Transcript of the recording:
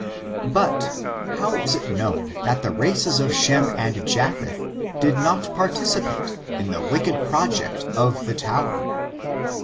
But, how is it known that the races of Shem and Japheth did not participate in the wicked project of the tower?